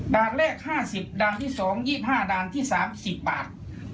ด่านแรก๕๐ด่างที่๒๒๕ด่างที่๓๑๐บาท